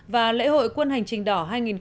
và lễ hội quân hành trình đỏ hai nghìn một mươi bảy